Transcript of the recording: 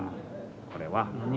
これは。